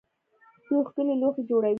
دوی ښکلي لوښي جوړوي.